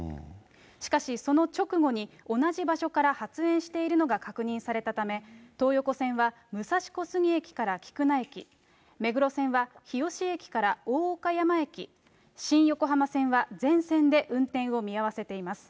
しかし、その直後に同じ場所から発煙しているのが確認されたため、東横線は武蔵小杉駅から菊名駅、目黒線は日吉駅から大岡山駅、新横浜線は全線で運転を見合わせています。